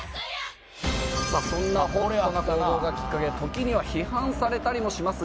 「そんなＨＯＴな行動がきっかけで時には批判されたりもしますが」